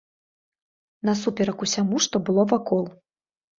Насуперак усяму, што было вакол.